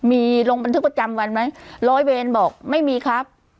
มีลงบันทึกประจำวันไหมร้อยเวรบอกไม่มีครับ